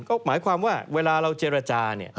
ก็หมายความว่าเวลาเราเจรจาเนี่ย